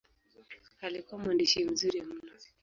Alikuwa mwandishi mzuri mno.